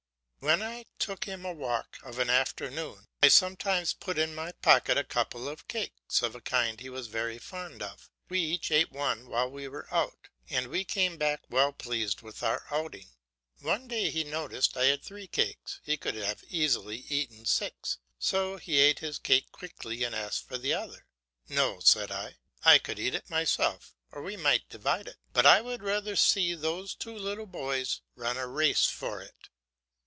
When I took him a walk of an afternoon I sometimes put in my pocket a couple of cakes, of a kind he was very fond of; we each ate one while we were out, and we came back well pleased with our outing. One day he noticed I had three cakes; he could have easily eaten six, so he ate his cake quickly and asked for the other. "No," said I, "I could eat it myself, or we might divide it, but I would rather see those two little boys run a race for it."